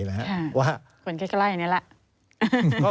เหมือนใกล้อันนี้ละ